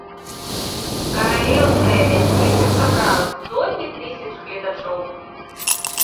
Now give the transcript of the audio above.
Каралеўскае вяселле сабрала сотні тысяч гледачоў.